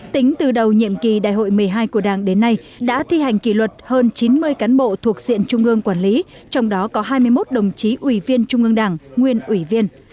tính từ đầu nhiệm kỳ đại hội một mươi hai của đảng đến nay đã thi hành kỷ luật hơn chín mươi cán bộ thuộc diện trung ương quản lý trong đó có hai mươi một đồng chí ủy viên trung ương đảng nguyên ủy viên